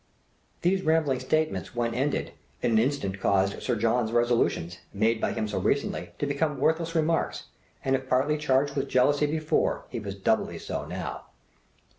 These rambling statements when ended, in an instant caused Sir John's resolutions, made by him so recently, to become worthless remarks; and if partly charged with jealousy before, he was doubly so now.